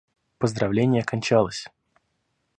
Поздравление кончалось.